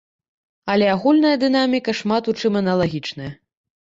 Але агульная дынаміка шмат у чым аналагічная.